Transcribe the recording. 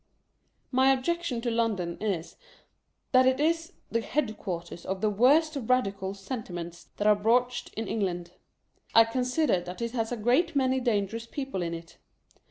My objection to London is, that it is the headquarters of the worst radical sentiments that are broached in England. I consider that it has a great many dangerous people in it.